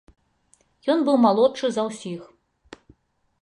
Ён быў малодшы за ўсіх.